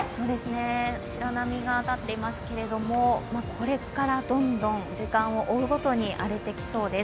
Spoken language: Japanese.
白波が立っていますけれども、これからどんどん時間を追うごとに荒れてきそうです。